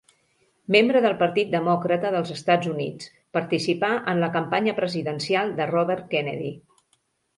Membre del Partit Demòcrata dels Estats Units, participà en la campanya presidencial de Robert Kennedy.